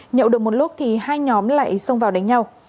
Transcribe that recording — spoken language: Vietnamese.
nhậu được một lúc thì hai nhóm lại xông vào đánh nhau